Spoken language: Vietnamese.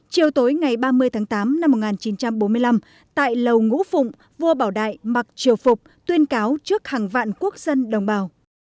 chiều tối ngày ba mươi tháng tám năm một nghìn chín trăm bốn mươi năm tại lầu ngũ phụng vua bảo đại mặc triều phục tuyên cáo trước hàng vạn quốc dân đồng bào